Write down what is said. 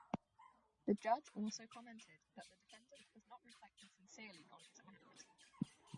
The judge also commented that the defendant has not reflected sincerely on his acts.